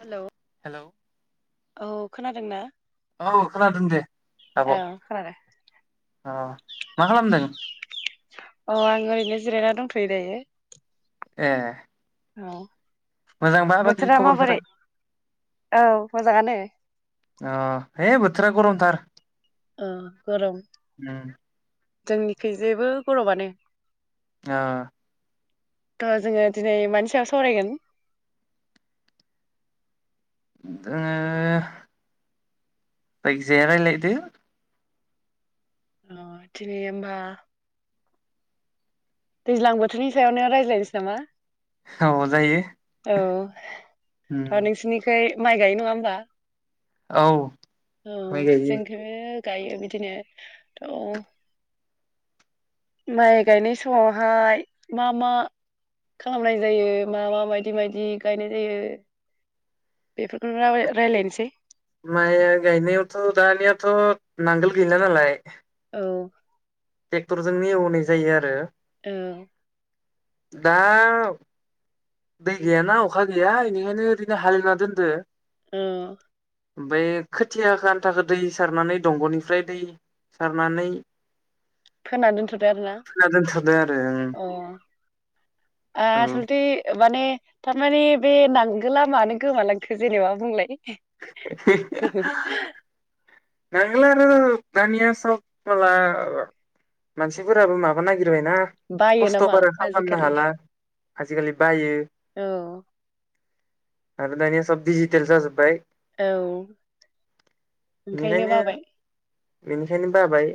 हेल' hello औ खोनादों ना? औ खोनादों दे आब' खोनादों । ओ मा खालामदों? अ आं ओरैनो जिरायना दंथ'यो दायो । ए औ मोजांबा बाखि बोथोरा खबरफोरा माबोरै? औ मोजां‌आनो । ओ हे बोथोरा गरम‌ थार। ओ गोरोम जोंनिखै जेबो गरमानो ओ थ' जोङो दिनै मानि सायाव सावरायगोन? दङो जायखिया रायलायदो । अ थिरे होमबा दैज्लां बोथोरनि सायावनो रायज्लायनोसै नामा? औ जायो औ उम थ' नोंसिनिखै माइ गायो नङा होमबा? औ औ माइ गायो जोंखैबो गायो बिदिनो थ' माइ गायनाय समावहाय मा मा खालामनाय जायो मा मा बायदि बायदि गायनाय जायो बेफोरखौनो रा-रायजलायनोसै। माइया गायनायावथ' दानियाथ' नांगोल गैला नालाय औ ट्रेक्टरजोंनो एवनाय जायो आरो। औ दा दै गैयाना अखा गैया बेनिखायनो ओरैनो हालेवना दोन्दो। औ ओमफाय खोथियाखो आन्थाखो दै सारनानै दंग'निफ्राय दै सारनानै फोना दोनथ'दो आरोना होना दोनथारदो आरो अ ओं औ आसलथे माने थारमानि बे नांगोला मानो गोमालांखो जेनेबा बुंलाय। [unintelligible] नांगोला आरो दानिया सब माला मानसिफोराबो माबा नागिर [unintelligible] ना बायो नामा खस्थ'बारा खालामनो आजिखालि हाला। आजिखालि बायो। औ आरो दानिया सब डिजितेल जाजोबबाय। औ ओंखायनो बेनिखायनो बाबाय। बेनिखायनो बाबाय।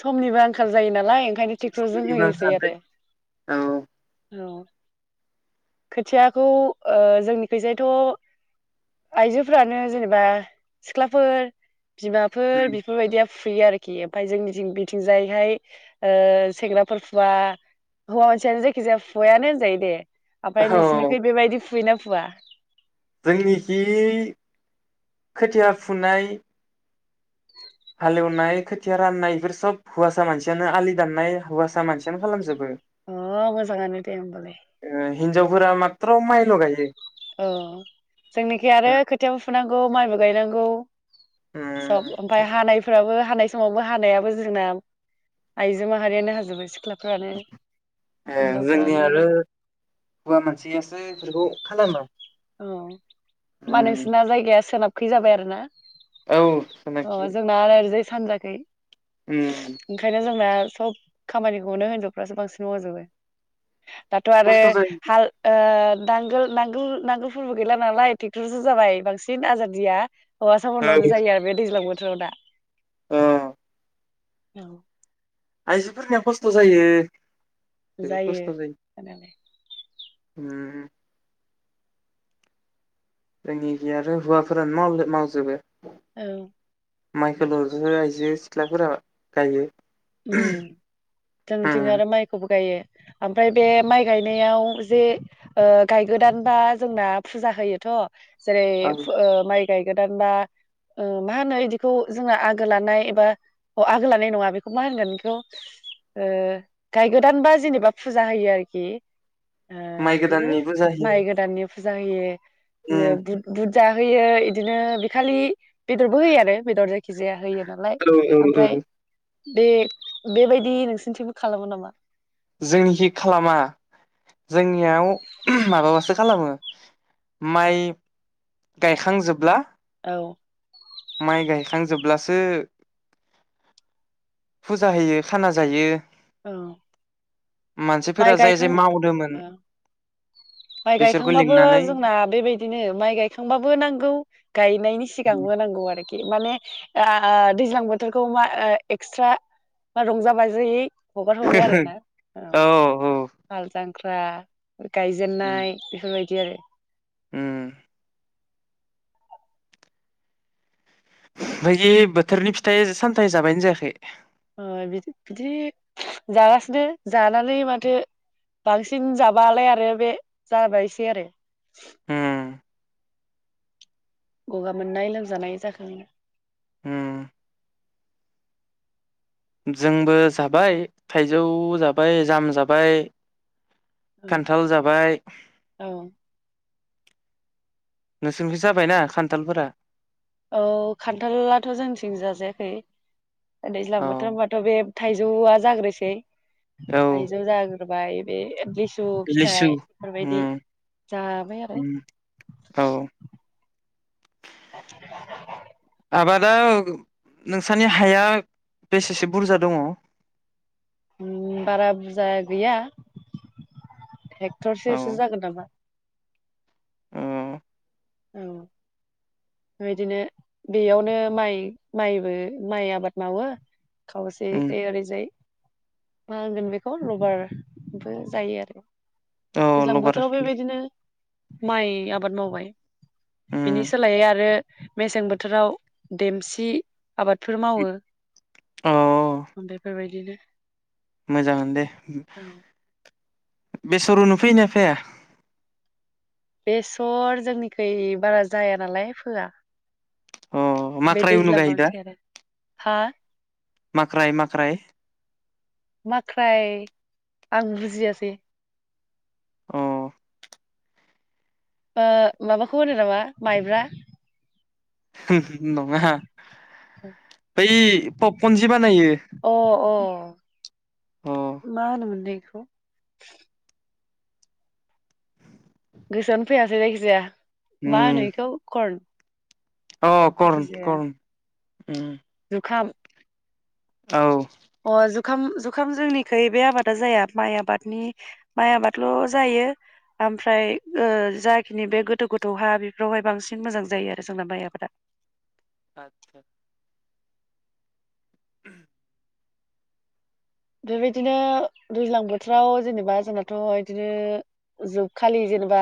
समनिबो आंखाल जायो नालाय ओंखायनो टेक्टरजों होयोसै आरो। औ औ खोथियाखौ ओ जोंनिखैजायथ' आइजोफ्रानो जेनेबा सिख्लाफोर बिमाफोर बेफोरबायदिया फुयो आरोखि ओमफाय जोंनिजिं बिथिंजायहाय ओ सेंग्राफोर फुवा हौवा मानसियानो जायखिजाया फुवायानो होनजायो दे। आफ्राय औ नोंसोरनिखै बेबायदि फुयोना फुवा? जोंनिखि खोथिया फुनाय हालेवनाय खोथिया राननाय इफोर सब हुवासा मानसियानो आलि दाननाय हुवासा मानसियानो खालामजोब अ मोजांआनो दे होमबालाय। फोरा मात्र' माइल' गायो। औ जोंनिखि आरो खोथियाबो फुनांगौ माइबो गायनांगौ। सब ओमफाय हानायफोराबो हानाय समावबो हानायाबो जोंना आइजो माहारियानो हाजोबो सिख्ला ए जोंनि आरो हुवा मानसियासो फोरखौ खालामो। औ बा नोंसिना जायगाया सोनाब खै जाबाय आरो ना? औ जेनाखि अ जोंना [unintelligible] सानजाखै। उम। ओंखायनो जोंना सब खामानिखौनो हिनजावफ्रासो बांसिन मावजोबो। दाथ' आरो खस्थ' जायो हाल ओ नांगोल नांगोल नांगोल फोरबो गैला नालाय ट्रेक्ट'रसो जाबाय बांसिन आजादिया। हौवासा फोरनावनो जायो आरो बे दैज्लां बोथ थ'दा। औ। औ। आइजोफोरनिया खस्थ' जायो। जोबोद जायो खस्थ' होननानै उम। जोंनिखि आरो हौवाफोरानो मावला मावजोबो। औ। माइखौल'जो आइजो सिथ्लाफोरा गायो। उम जोंथिं उम आरो माइखौबो गायो। ओमफ्राय बे माइ गायनायाव जे गायगोदानबा जोंना फुजा होयोथ' जेरै ओं फु ओ माइ गायगोदान बा ओ मा होनो बिदिखौ जोंना आगो लानाय एबा अ आगो लानाय नङा बे खौ मा होनगोन बेखौ गायगोदानबा जेनेबा फुजा होयो आरोखि। ओ माइ बिदिनो गोदाननिबो जायो। माइ गोदाननि फुजा होयो। उम बिदिनो बुद बुद जा होयो इदिनो बे खालि बेदरबो होयो आरो बेदर जायखिजाया होयो। नालाय औ औ ओमफ्राय औ बे बेबायदि नोंसिनिथिंबो खालामो नामा? जोंनिखि खालामा जोंनियाव माबाबासो खालामो माइ गायखांजोबब्ला। औ। माइ गायखांजोबब्लासो। फुजा होयो खाना जायो। औ। माइ मानसिफोरा जाय जाय गायखां ओ मावदोमोन। माइ गायखांबाबो जोंना बेबायदिनो माइ गायखांबाबो नांगौ गायनाय नि सिगां होनांगौ आरोखि माने ओ दैज्लां बोथोरखौ मा ओ एक्सट्रा मा रंजा बाजायै हगार हरो आरो ना। औ हाल जां ख्रा गाय जेन्नाय बेफोरबाय दि आरो। उम। ओमफाय जिस बोथोरनि फिथाइ सामथाइ जाबाय ना जायाखै? अ बिद-बिदि जागासिनो। जानानै माथो बांसिन जाबालाय आरो बे जाबायसै आरो। उम गगा मोननाय लोमजानाय जाखगोन। हुम। जोंबो जाबाय। थाइजौ जाबाय, जाम जाबाय खान्थाल जाबाय औ नोंसोरनिखै जाबायना खान्थालफोरा? औ खान्थालाथ' जोंथिं जाजायाखै। दैज्लां औ बोथोर बाथ' बे थाइजौआ जाग्रोसै। औ थाइजौ जागो बाय बे एतलिस सु लिसु फिथाइ बेफोरबायदि उम जाबाय आरो। उम औ [inaudible] आबादा नोंसोरनि हाया बेसेसो बुरजा दङ? ओम बारा बुरजा गैया। हेक्टरसेसो जागोन नामा ओम औ, बेबादिनो बेयावनो माइ-माइबो माइ आबाद मावो। उम खावसेैखै ओरैजाय मा होनगोन बेखौ रबारबो जायो आरो। औ दैज्लां लबार बोथोराव बेबायदिनो माइ आबाद मावबाय। बिनि उम, सोलायै आरो मेसें बोथोराव देमसि आबादफोर मावो अ ओम बेफोरबायदिनो। मोजाङानो दे। औ बेसर हुनो फैयोना फैया? बेसर जोंनिखै बारा जाया नालाय फोआ। अ बे माख्राय उनु दैज्लां आवनोसै आरो। हा? माख्राइ माख्राइ माख्राय आं बुजियासै। अ ओ माबाखौ होनो नामा माइब्रा? होम हो नङा बै पप पनजिबा अ अ अ मा होनोमोन ए खौ गोसोआनो फैयासै जायखिजाया। मा होनो उम इखौ कर्ण? अ कर्ण कर्ण। उम। खाम। औ। अ जुखाम जुखाम जोंनिखै बे आबादा जाया माइ आबादनि माइ आबादल' जायो ओमफ्राय ओ जाखिनि बे गोथौ गोथौ हा बेफोरावहाय बांसिन मोजां जायो आरो जोंना माइ आबादा। आच्छा बेबायदिनो दैज्लां बोथोराव जेनेबा जोंनाथ' इदिनो जोबखालि जेनेबा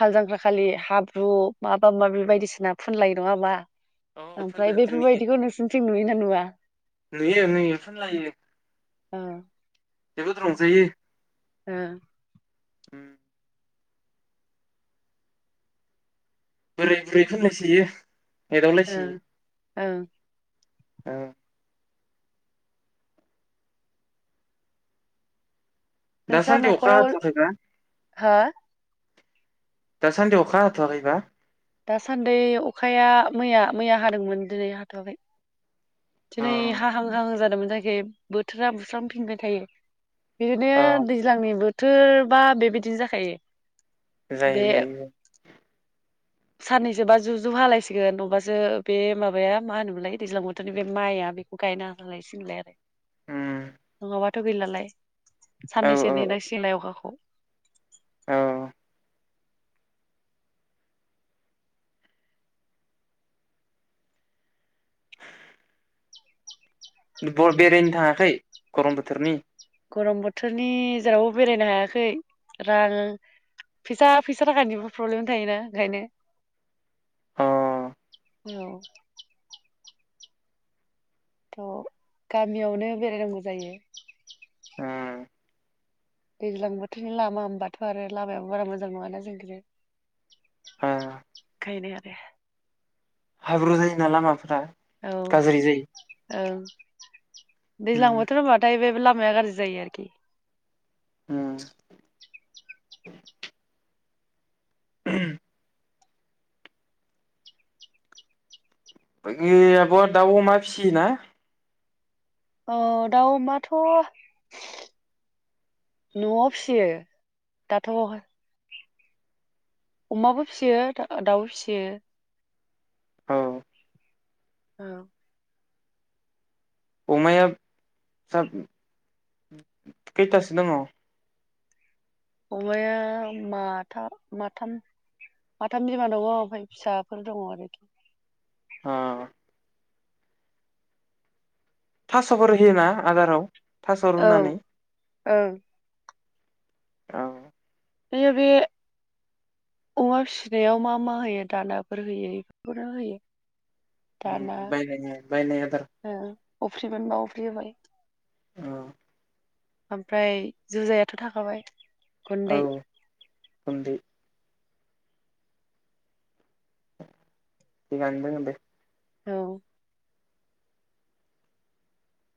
हाल जांख्रा खालि हाब्रु माबा माबि बायदिसिना फुनलायो नङा होमबा? अ फोनो ओमफ्राय जोंनिखि बेफोरबायदिखौ नोंसिनिथिं नुयो ना नुवा? नुयो नुयो फुनलायो। ओ जोबोद रंजायो। ओ उम बोराइ बुरै फोनलायसोयो। ओं एदावलायसोयो ओं ओ नोंस्रा दासान्दि अखा न'खराव हाथ'आखै ना? हो दा सान्दि अखा हाथ'आखैबा? दासान्दै अखाया मैया मैया हादोंमोन दिनै हाथ'आखै अ दिनै हाहां हाहां जादोंमोन जायखि बोथोरा बुस्रांफिनबाय थायो। बिदिनो अ दैज्लांनि बोथ बोथोरबा बेबायदिनो जाखायो। बे जायो जायो औ। साननैसोबा जु जु हालायसिगोन नबासो बे माबाया मा होनोमोनलाय दैज्लां बोथोरनि बे माइआ बेखौ गायना हालायसिगोनलाय आरो उम नङाबाथ' गैलालाय। औ औ साननैसो नेनांसिगोनलाय अखाखौ। औ। ब-बेरायनो थाङाखै गरम बोथोरनि? गरम बोथोरनि जेरावबो बेरायनो हायाखै रां फैसा फैसा थाखानिबो प्रब्लेम थायोना ओंखायनो। अ औ थ' गामियावनो बेरायनांगौ जायो उम दैज्लां बोथोरनि लामा होनबाथ' आरो लामायाबो बारा मोजां नङाना जोंनिथिं ओ ओंखायनो आरो हाब्रु जायो ना लामाफ्रा औ गाज्रि औ दैज्लां उम बोथोर होनोबाथाय बे ला- माया गाज्रि जायो आरोखि उम [inaudible] बाकि आब'आ दाउ अमा फिसियोना? औ दाउ अमाथ' न'आव फिसियो दाथ' अमाबो फिसियो दा-दाउ फिसियो औ औ अमाया सा खैथासो दङ? अमाया माथाम माथाम माथाम बिमा दङ ओमफ्राय फिसाफोर दङ आरो उम थास'फोर होयोना आदाराव? थास' औ रुनानै ओं औ बे बे अमा फिसिनायाव मा मा होयो दानाफोर होयो बेफोरखौनो होयो? उम दाना बायनाय-बायनाय आदार बि बाय उम ओमफ्राय जुजायाथ' थाखाबाय औ गुन्दै गुन्दै थिगानो दङ दे औ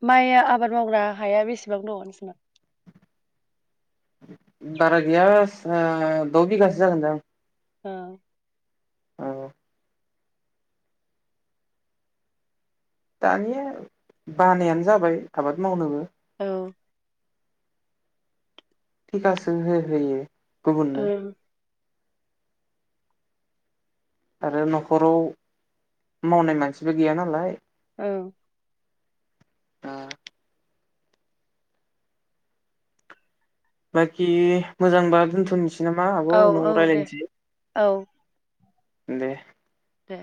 माइ आबाद मावग्रा हाया बेसेबां दङ नोंसोरनाव? बारा गैया अ द' बिगासो जागोन दां औ औ दानि बानायानो जाबाय आबाद मावनोबो औ थिकासो हो-होयो गुबुन नो औ आरो न'खराव मावनाय मानसिबो गैया नालाय औ उम बाखि मोजांबा दोनथ'नोसै नामा आब औ उनाव औ दे रायलायनोसै औ दे दे